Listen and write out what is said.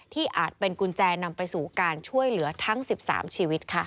อาจเป็นกุญแจนำไปสู่การช่วยเหลือทั้ง๑๓ชีวิตค่ะ